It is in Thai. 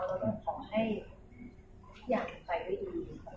เราต้องขอให้อย่างใกล้อื่น